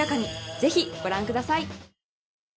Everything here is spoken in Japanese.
ぜひご覧ください。